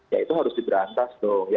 ya itu harus diberantas dong